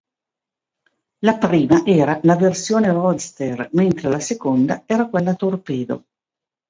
La prima era la versione roadster, mentre la seconda era quella torpedo.